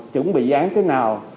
chuẩn bị án thế nào